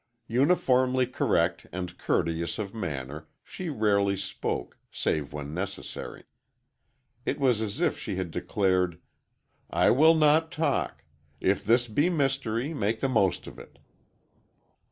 Uniformly correct and courteous of manner, she rarely spoke, save when necessary. It was as if she had declared, "I will not talk. If this be mystery, make the most of it."